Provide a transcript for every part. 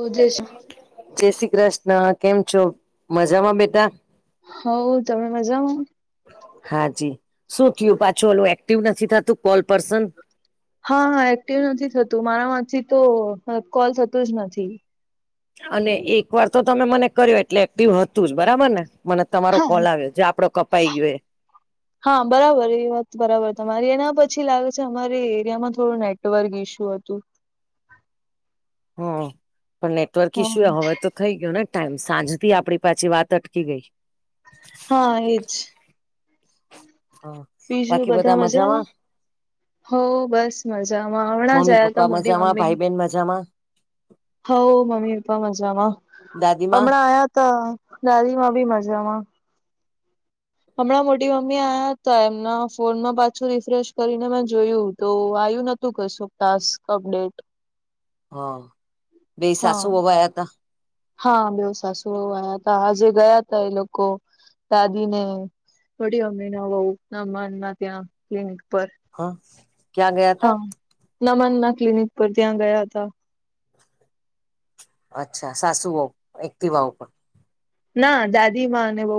ઓ જે જય શ્રી કૃષ્ણ કેમ છો મજામાં બેટા. હા તમે મજામાં? હાજી શું થયું પાછું એક્ટિવ નથી થતું કોલ પર્સન. હા હા એક્ટિવ નથી થતું મારામાંથી તો કોલ થતો જ નથી. અને એક વાર તો તમે મને કર્યો એટલે એક્ટિવ હતો જ બરાબર ને. મને તમારો હા કોલ આવ્યો જે આપડો કપાઈ ગયો. હા બરાબર એ વાત બરાબર તમારી એના પરથી લાગે છે અમારે એરિયામાં થોડું નેટવર્ક ઇશ્યુ હતું. હ પણ નેટવર્ક હા ઈશ્યુ હવે તો થઈ ગયો ને ટાઈમ સાંજથી આપડી પાછી વાત અટકી ગઈ. હા એજ હા બાકી બધા મજામાં. હો બસ મજામાં હમણાં જ મમ્મી આયા તા પપ્પા મોટી મજામાં મમ્મી ભાઈ બહેન મજા. મમ્મી પપ્પા મજામાં દાદીમાં હમણાં આયા તા દાદીમાં પણ મજામાં. હમણાં મોટી મમ્મી આયા હતા એમના ફોનમાં પાછું રિફ્રેશ કરીને મેં જોયું તો આવ્યું નથી. તો શું ટાસ્ક અપડેટ હા બેવુ હા સાસુ વહુ આવ્યા હતા. હા બેવુ સાસુ વવુ આયાતા આજે ગયાતા એ લોકો દાદીને પઠીઓ મીના વવુ સમાજમાં ત્યા પર હા ક્યાં ગયા તા હા નમનના ક્લિનિક પર ત્યાં ગયા હતા. અચ્છા સાસુ બહુ એકટિવા ઉપર. ના દાદી માં ને વવુ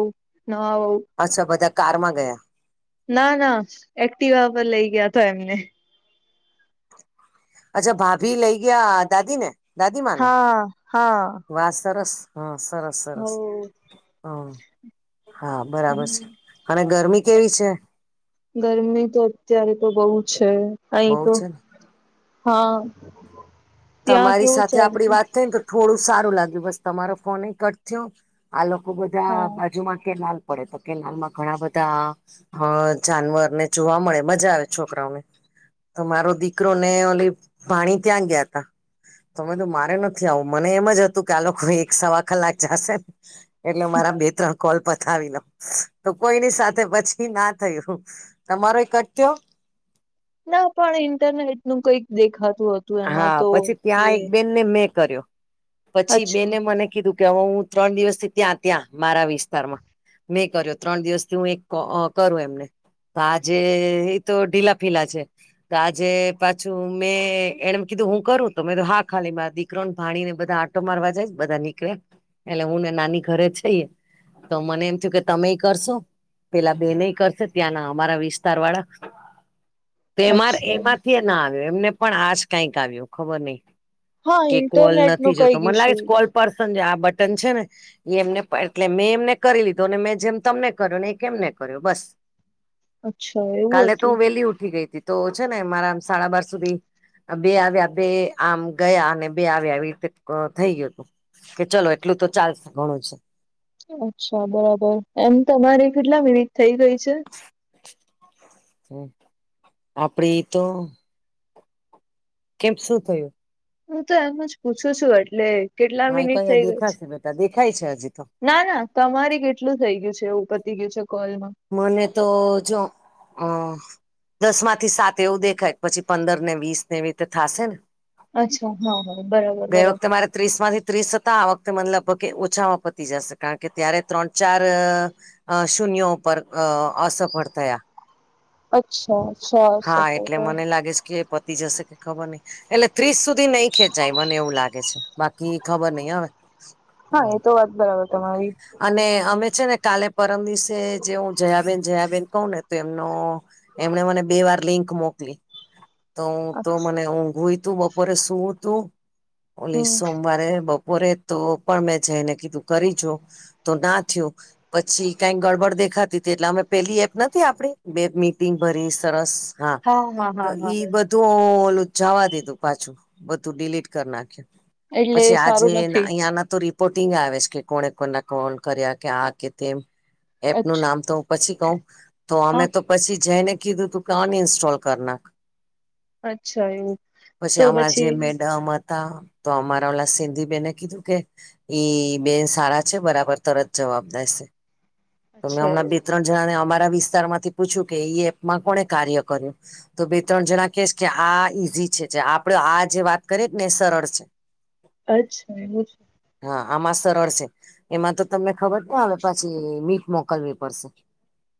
નવા વવુ. અચ્છા બધા કારમાં ગયા. ના ના એક્ટિવા પર લઇ ગયાતા એમને અચ્છા ભાભી લઈ ગયા દાદી ને દાદી માને હા હા વાત સરસ હા સરસ હો સરસ હમ હા બરાબર છે અને ગરમી કેવી છે. ગરમી તો અત્યારે તો બહુ છે અહી બહુ તો છે ને હા. ત્યાં તમારી કેવું સાથે આપડી ચાલતું વાત થઈ થોડું સારું લાગ્યું બસ તમારો ફોન એ કટ થયો આ લોકો બધા હા બાજુમાં કે લ પડે તો કેનાલમાં ઘણા બધા હ જાનવર ને જોવા મળે મજા આવે છોકરાઓને તો મારો દીકરો ને ઓલી ભાણી ત્યાં ગયા તા તમે તો મારે નથી આવું મને એમ જ હતું કે આ લોકો એક સવા કલાક જાશે એટલે મારા બે ત્રણ કોલ પતાવી લો તો કોઈની સાથે પછી ના થયું તમારો એકટ થયો ના પણ ઇન્ટરનેટ નું કઈક દેખાતું હતું એમાં હા તો પછી કે ત્યાં એક બેનને મેં કર્યો પછી અચ્છા બેને મને કીધું. કે હ હું ત્રણ દિવસથી ત્યાં ત્યાં મારા વિસ્તાર માં મેં કર્યો ત્રણ દિવસથી હું એક કરું એમને આજે એતો ઢીલા ફીલા છે તો આજે પાછું મેં એણે કીધું હું કરું તો મે હા ખાલી મા દીકરોને ભાણી ને બધા આટો મારવા જાય બધા નીકળે એટલે હું ને નાની ઘરે જઈએ તો મને એમ થયું કે તમે એ કરશો પેલા બેન ને કરશે ત્યાંના અમારા વિસ્તાર વાળા માં અચ્છા એમાંથી ના આવ્યો એમને પણ આજ કઈક આવ્યું ખબર નહિ હા કે કોલ ઇન્ટરનેટ નું નથી જોતો કઈક મને લાગે ઇસ્યુ છે કોલ પર્સન જે આ બટન છે ને એ એમને એટલે મેં એમને કરી લીધું ને મેં જેમ તમને કર્યો ને એ એમને કર્યો બસ અચ્છા એવું કાલે તો હતું વેલી ઉઠી ગઈ હતી તો છે ને મારા સાડા બાર સુધી બે આવ્યા બે આમ ગયા અને બે આવ્યા એ રીતે થઈ ગયું હતું. કે ચલો એટલું તો ચાલશે ઘણું છે. અચ્છા બરાબર એમ તમારી કેટલા મિનિટ થઇ ગઈ છે. હમ. આપણે એ તો કેમ શું થયું. હું તો એમ જ પૂછું છું એટલે કેટલા હા મિનિટ અહીંયા થઈ ગઈ છે દેખાશે બેટા દેખાય છે હજી તો ના ના તમારી કેટલું થઈ ગયું છે એવું પતી ગયું છે કોલમાં મને તો જો હ દસ માંથી સાત એવું દેખાય પછી પંદર ને વીસ ને એવી રીતે થશે ને અચ્છા હા હા બરાબર ગઈ વખતે બરાબર મારે ત્રીસ માંથી ત્રીસ હતા આ વખતે મતલબભગ કે ઓછામાં પતી જશે કારણ કે ત્યારે ત્રણ ચાર અ શૂન્ય ઉપર અ અસફળ થયા અચ્છા અચ્છા હા એટલે મને લાગે છે કે એ પતી જશે ખબર નઈ એટલે ત્રીસ સુધી નઈ ખેંચાય મને એવું લાગે છે બાકી ખબર નહિ હવે હા એ તો વાત બરાબર તમારી અને અમે છે ને કાલે પરમ દિસે જે હું જયાબેન જયાબેન કહું ને તો એમનો એમણે મને બે વાર લિંક મોકલી તો તો મને હું ગોઈ તું બપોરે સુવું તું ઓલી હમ સોમવારે રે તો પણ મેં જઈને કીધું કરી જો તો ના થયું પછી કઈક ગડબડ દેખાતી હતી એટલે અમે પેલી એપ નથી આપડી બે મીટિંગ ભરી સરસ હા હા તો હા હા ઈ બધ તું ઓલું જવા દીધું પાછું બધું ડીલીટ કરી નાખ્યું એટલે પછી આજે સારું નથી અહીયાં ના તો ર પોર્ટિંગ આવે કે કોને કોના કોલ કર્યા કે આ કે તેમ એપનું અચ્છા નામ તો હું પછી કઉ તો અમે હા તો પછી જેને કીધું તું કે અનઇન્સ્ટોલ કરી નાખ અચ્છા એવું પછી તો હમણાં જે પછી મેડમ તો અમારા ઓલા સિંધી બેને કીધું કે ઈ બેન સારા છે બરાબર તરત જવાબદશે તો મેં અચ્છા હમણાં બે એવું ત્રણ જણા ને અમારા વિસ્તાર માંથી પૂછ્યું કે ઈ એપમાં કોને કાર્ય કર્યું તો બે ત્રણ જણા કહેશ કે આ ઈઝી છે જે આપડે આ જે વાત કરીએ ને સરળ છે [inaudible] અચ્છા એવું છે હા આમાં સરળ છે એમાં તો તમને ખબર ના આવે પછી [unintelligible] મોકલવી પડશે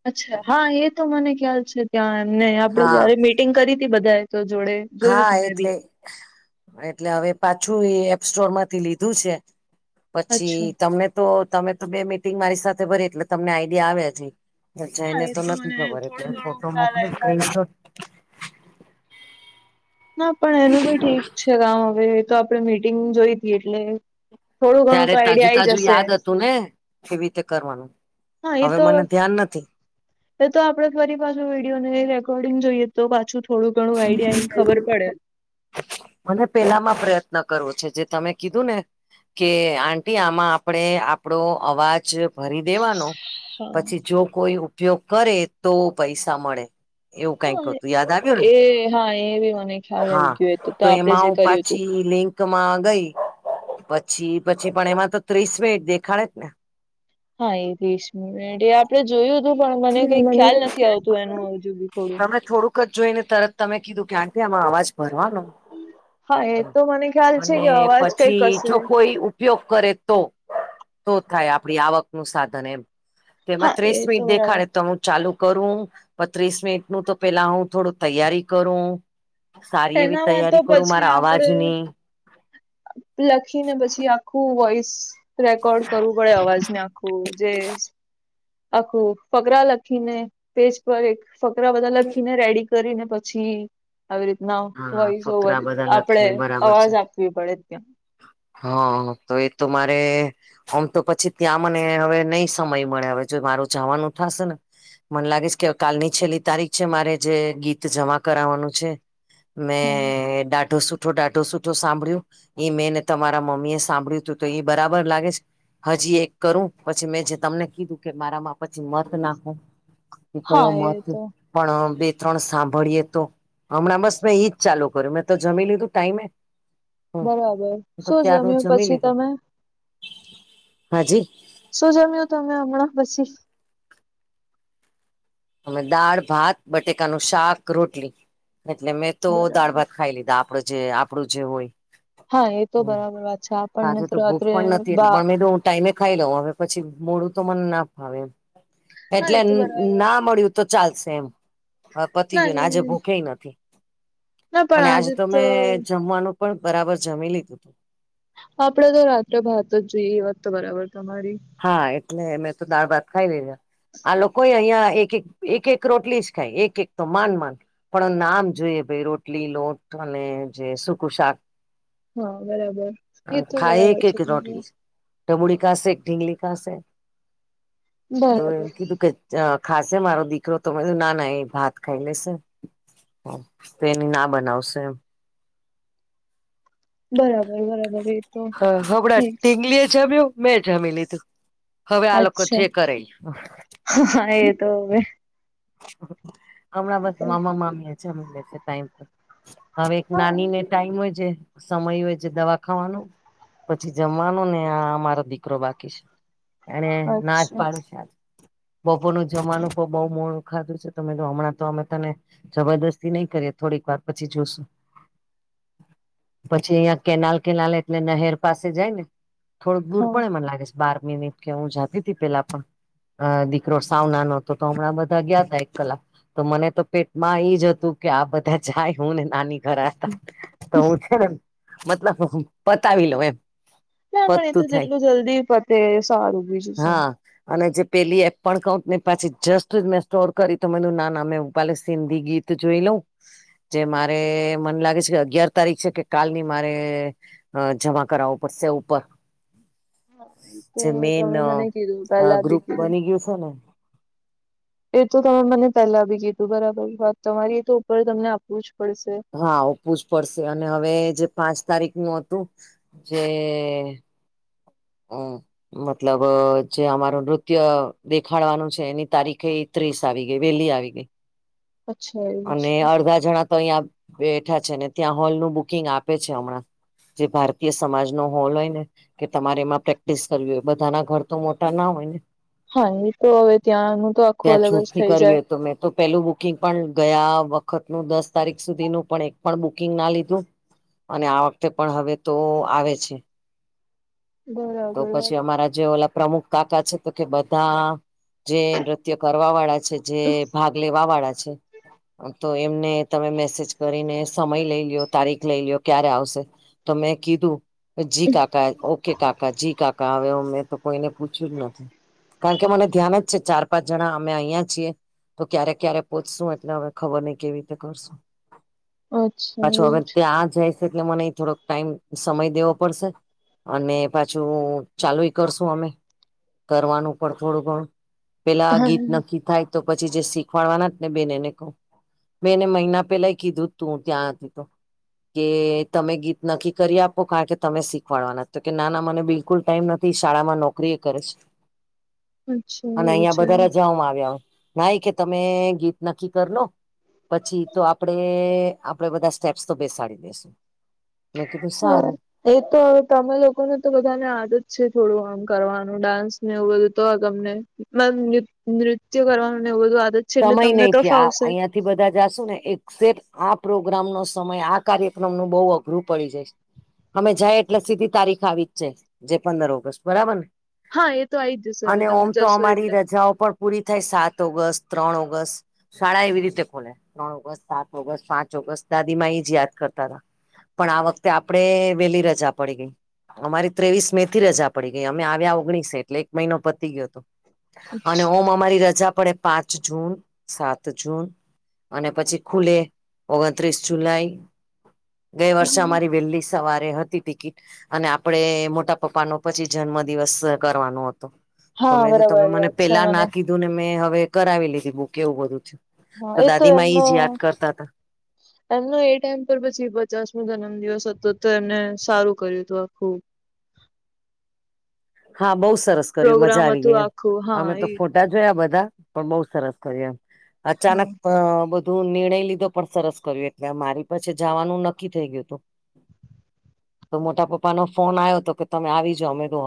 અચ્છા હા એ તો મને ખ્યાલ છે ત્યાં એમને આપડે હા જયારે મીટિંગ કરી હતી બધાએ તો જોડે જોયું હા તું મેં બી એટલે એટલે હવે પાછું એ એપ સ્ટોર માંથી લીધું છે પછી અચ્છા તમને તો તમે તો બે મીટિંગ મારી સાથે ભરી એટલે તમને આઈડિયા આવ્યા છે અચ્છા હા એને એ તો નથી મને ખબર એટલે થોડું ઘણું ફોટો ખ્યાલ મોકલો આવ્યું સ્ક્રીનસોટ ના પણ એનું બી ઠીક છે ગામ હવે તો આપડે મીટિંગ જોઈ હતી એટલે થોડું ઘણું ત્યારે તો આઈડિયા તાજું આઈ તાજું જશે યાદ હતું ને કેવી રીતે કરવાનું હા એ હવે તો મને ધ્યાન નથી એ તો આપડે ફરી પાછું વિડીિયો ને રેકોર્ડિંગ જોઈએ તો પાછું થોડું ઘણું આઈડિયા ને ખબર પડે મને પેલામાં પ્રયત્ન કરવો છે જે તમે કીધું ને કે આંટી આમાં આપણે આપડો અવાજ ભરી દેવાનો હા પછી જો કોઈ ઉપયોગ કરે તો પૈસા મળે એવું કઈક હા હતું યાદ આવ્યું ને હા એવી મને કે હા તો એમાં હું પાછી લિંક [unintelligible] માં ગઈ પછી પછી પણ એમાં તો ત્રીસ મિનિટ દેખાડે જ ને હા એ [unintelligible] આપડે જોયું પણ જ મને ને કઈ ખ્યાલ નથી આવતું એનું હજુ બી થોડું [unintelligible] જ જોઈને તરત તમે કીધું કે આ કે આમાં અવાજ ભરવાનો હા એ તો મને ખ્યાલ છે અને કે અવાજ કઈક પછી હશે. જો કોઈ ઉપયોગ કરે તો તો થાય આપડી આવક નું સાધન એમ તેમાં હા એ ત્રીસ [unintelligible] તો બરાબર તો હું ચાલુ કરું પત્રીસ મિનિટ નું તો પેલા હું થોડું તૈયારી કરું સારી એવી એનામાં તો તૈયારી કરું પછી મારા અવાજની લખી ને પછી આખું વોઈસ રેકોર્ડ કરવું પડે અવાજ નાખવું જે આખું ફકરા લખીને પેજ પર એક ફકરા બધા લખીને રેડી કરીને પછી આવી રીતના હા વોઈસ ઓવર ફકરા બધા આપણેે લખીને બરાબર છે અવાજ આપ પડે ત્યા હા તો એ તો મારે આમ તો પછી ત્યાં મને હવે નહી સમય મળે હવે જો મારું જવાનું થશે ને મને લાગે છે કે કાલની છેલ્લી તારીખ છે મારે જે ગીત જમા કરાવવાનું છે. મેં દાઢો સુઠો દાઢો સુઠો સાંભળ્યું. એ મેંને તમારા મમ્મી એ સાંભળ્યું હતું તો એ બરાબર લાગે છે. હજી એક કરું પછી મેં જે તમને કીધું કે મારામાં પછી મર નાખ એ હા કયો મત તો પણ બે ત્રણ સાંભળીએ તો હમણાં બસ મેં એજ ચાલુ કર્યું મેં તો જમી લીધું ટાઈમે બરાબર હ તો શું ક્યારનું જમ્યું જમી પછી લીધું તમે હાજી શું જમ્યું તમે હમણાં પછી અમે દાળ ભાત બટેકાનુંું શાક રોટલી એટલે મેં તો દાળ બરાબર ભાત ખાઈ લીધા આપ આપડ જે આપડું જે હોય હા એ તો હમ બરાબર વાત છે આપણને સાજે તો ભૂખ રાત્રે પણ નથી બા એટલેમે તો ટાઈમે ખાઈ લ હ પછી મોડું તો મને ના ફાવે હા એટલે એ તો બરાબર ના પડ્યું તો ચાલશે એમ હ પતી ના ગયું ને આજે ભૂખેય નથી. અને આજે તો મેં જમવાનું પણ બરાબર જમી લીધું હતું. આપડે તો રાત્રે ભાત જ જઈએ એ વાત તો બરાબર તમારી હા એટલે મેં તો દાળ ભાત ખાઈ લેધા આ લોકો અહિયાં એક એક એક રોટલી જ ખાય એક એક તો માન માન પણ નામ જોઈએ ભાઈ રોટલી લોટ અને જે સુકું શાક હા બરાબર એ તું બરાબર છે ત ડમુળ ખાસે ઢીંગલી ખાશે તો બરાબર એમ કીધું કે ખાશે મારો દીકરો તોમે ના ના એ ભાત ખાઈ લેશે તો એની ના બનાવશે એમ બરાબર બરાબર તો હ હડા ઠીક ટીંગલીએ જમ્યો મેં જમી લીધું. હવે આ લોકો છે કરે હ એ તો હવે હમણાં બસ મામા મામ ટ હવે એક હા નાનીને ટાઈમ હોય છે સમય હોય છે દવા ખાવાનો પછી જમવાનું ને આ મારો દીકરો બાકી છે. એ નાચ અચ્છા પાડ છે આ બપોર નું જમાનું તો બઉ મોડું ખાધું છે તમે જો હમણાં તો અમે તને જબરદસ્તી નહી કરીએ થોડીક વાર પછી જોઈશું. પછી અહિયાં કેનાલ કેનાલ એટલે નહેર પાસે જાય ને થોડુંક દૂર હા પડે એ મને લાગે છે. બાર મિનિટ કે હું જાતી ત પેલા પણ દીકરો સાવ ના ન હતો તો હમણાં બધા ગયા હતા એક કલાક તો મને તો પેટમાં એ જ હતું કે આ બધા જાય હું ને નાની ઘ હતા તો હું છે ને મતલબ પતાવી લઉ એમ ત આંગણી તો પતું થાય જેટલું જલ્દી પતે સારું બીજું શું હા અને જે પેલી એપ પણ કઉ ને પાછી જસ્ટ મેં સ્ટોર કરી તો મું ના ના મેં હ ભલે સિંધી ગીત જોઈ લઉં જે મારે મને લાગે છે કે અગિયાર તારીખ છે કે કાલ ની મારે અ જમા કરાવવો પડશે ઉપર હા એ તો જે મેન તમે મને કીધું પેલા બી ગ્રુપ કીધું બની ગયું છે ને એ તો તમે મને પહેલા બી કીધું બરાબર વાત તમારે એ તો ઉપર તમને આપવું જ પડશે. હા આપવુ જ પડશે અને હવે જે પાંચ તારીખ નું હતું જે હમ્મ. મતલબ જે અમારું નૃત્ય દેખાડવાનું છે એની તારીખે ત્રીસ આવી ગઈ વેલી આવી ગઈ અચ્છા એવું છે અને અડધા જણા તો અહંયા બેઠા છે ને ત્યાં હોલનું બુકિંગ આપે છે હમણાં. જે ભારતીય સમાજ નો હોલ હોય ને કે તમારે એમાં પ્રેક્ટિસ કરવી હોય બધાના ઘર તો મોટા ના હોય ને હા ની તો હવે ત્યાંનું તો આખું ત્યાં અલગ જ છૂટથી થઈ કરવી જાય. હોય તો મેં તો પેલું બુકિંગ પણ ગયા વખતનું દસ તારીખ સુધીનું પણ એક પણ બુકિંગ ના લીધું અને આ વખતે પણ હવે તો આવે છે. તો બરાબર પછી અમારા જે ઓલા પ્રમુખ કાકા છે તો કે બધા જે નૃત્ય કરવા વાળા છે જે ભાગ લેવા વાળા છે તો એમને તમે મેસેજ કરીને સમય લઈ લ્યો તારીખ લઈ લ્યો ક્યારે આવશે તો મેં કીધું જી કાકા ઓકે કાકા જી કાકા હવે મેં તો કોઈને પૂછ્યું જ નથી. કારણ કે મને ધ્યાન જ છે ચાર પાંચ જણા અમે અહીયાં છીએ. તો ક્યારે ક્યારે પોચશું એટલે હવે ખબર નહ કેવી રીતે કરશું. અચ્છા પાછો એવું હવે છે ત્યાં જાય છે એટલે મને થોડોક ટાઈમ સમય દેવો પડશે ને. અને પાછું ચાલુય કરશુ અમે કરવાનું પણ થોડું ઘણું પેલા ગીત નક્કી થાય તો પછી જે શીખવાડવાના જ ને બેન એને કવ બેને મહિના પેલાય કીધું તું ત્યાં હતી તો. કે તમે ગીત નક્કી કરી આપો કારણ કે તમે શીખવાડવાના. તો કે નાના મને બિલકુલ ટાઈમ નથી શાળામાં નોકરી એ કરે છે. અચ્છા અને એવું છે અહંયા [unintelligible] જમાં આવ્યા. નાઈ કે તમે ગીત નક્કી કર લો પછી તો આપડે આપડે બધા સ્ટેપ્સ તો બેસાડી દેસું. [inaudible] એ તો તમે લોકોને તો બધાને આદ જ છે થોડું આમ કરવાનું ડાન્સ ને એવું બધું તો તમને નૃત્ય કરવાનું ને એવું બધુ આદત છે એટલે સમય તમને નહ તો થી આ ફાવશે અહિયાં થી બધા જાશુ ને એકસેેપ આ પ્રોગ્રામ નો સમય આ કાર્યક્રમ નું બહ અઘરું પડી જાય. અમે જાય એટલે સીધી તારીખ આવી જ જાય છે જે પંદર ઓગસ્ટ બરાબર ને. હા એ તો આઈ જ જશે હવે અને તમે ઓમ તો જશો અમારી એટલે રજાઓ પણ પૂરી થાય સાત ઓગસ્ટ. ત્રણ ઓગસ્ટ શાળા એવી રીતે ખોલે ત્રણ ઓગસ્ટ સાત ઓગસ્ટ પાંચ ઓગસ્ટ દાદી મા એ જ યાદ કરતા હતા. પણ આ વખતે આપણેે વેલી રજા પડી ગઈ. અમારી ત્રેવીસ મે થી રજા પડી ગઈ અમે આવ્યા ઓગણીસે એટલે એક મહિનો પતી ગયો હતો. અને ઓમ અમારી રજા પડે પાંચ જૂન સાત જૂન અને પછી ખુલે ઓગણત્રીસ જુલાઈ ગયા વર્ષે અમારી વેલી સવારે હતી ટિકિટ અને આપણે મોટા પપ્પાનો પછી જન્મ દિવસ કરવાનો હતો. તો હા મેં તમે બરાબર મને યાદ છે પેલા મને ના કીધું ને મેં હવે કરાવી લીધી બુક એવું બધું છે. તો દાદી મા એ જ યાદ કરતા હતા. એમનો એ ટાઈમ પર પછી પચાસ નો જન્મદિવસ હતો તો એમને સારું કર્યું હતું આખું. હા બહુ સરસ કર્યું મજા પ્રોગ્રામ આવી હતું ગઈ એમ આખું હા અમે તો એ ફો ટા જોયા બધા પણ બઉ સરસ થયું એમ હા અચાનક બધું નિર્ણય લીધો પણ સરસ કર્યો એટલે મારી પછી જવાનું નક્કી થઈ ગયું હતું. તો મોટા પપ્પાનો ફોન આયો હતો કે તમે આવી જાવ મે તો